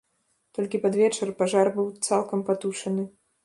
Толькі пад вечар пажар быў цалкам патушаны.